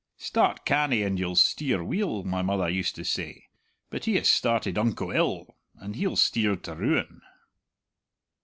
'Start canny, and you'll steer weel,' my mother used to say; but he has started unco ill, and he'll steer to ruin."